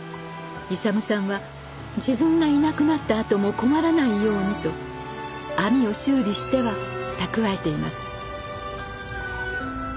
勇さんは自分がいなくなったあとも困らないようにと網を修理しては蓄えています。